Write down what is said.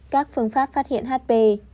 các phương pháp phát hiện hp